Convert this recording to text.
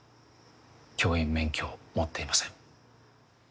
教員免許を持っていません。